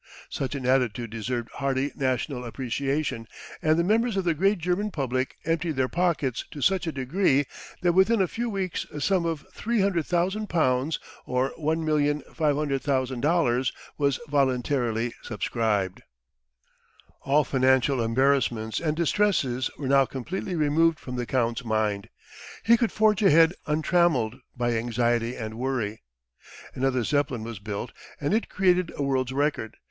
Such an attitude deserved hearty national appreciation, and the members of the great German public emptied their pockets to such a degree that within a few weeks a sum of L300,000 or $1,500,000 was voluntarily subscribed. All financial embarrassments and distresses were now completely removed from the Count's mind. He could forge ahead untrammelled by anxiety and worry. Another Zeppelin was built and it created a world's record.